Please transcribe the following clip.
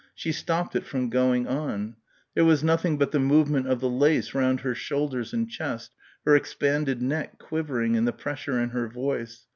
She stopped it from going on. There was nothing but the movement of the lace round her shoulders and chest, her expanded neck, quivering, and the pressure in her voice....